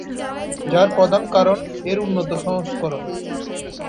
যার প্রধান কারণ এর উন্নত সংস্করণ।